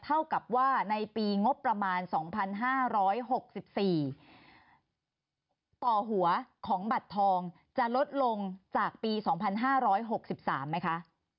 เท่ากับว่าในปีงบประมาณ๒๕๖๔ต่อหัวของบัตรทองจะลดลงจากปี๒๕๖๓ไหมคะ